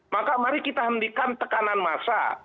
maka mari kita hentikan tekanan massa